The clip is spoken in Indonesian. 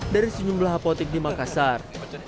dari sejumlah apotek di makassar